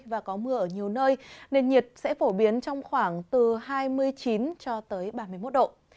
và có mưa ở nhiều nơi nền nhiệt sẽ phổ biến trong khoảng từ hai mươi chín cho tới ba mươi một độ